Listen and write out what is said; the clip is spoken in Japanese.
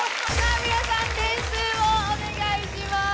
⁉皆さん点数をお願いします。